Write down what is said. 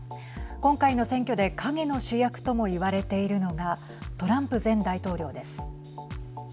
今回の選挙で陰の主役とも言われているのがトランプ前大統領です。